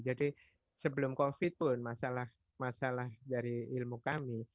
jadi sebelum covid pun masalah dari ilmu kami